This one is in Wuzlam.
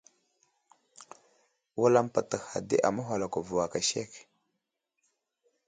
Wulam pətəhha di aməhwalako vo aka sek.